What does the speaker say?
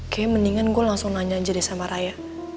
kayaknya mendingan gue langsung nanya aja deh sama raya